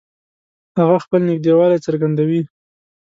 هغه خپل نږدېوالی څرګندوي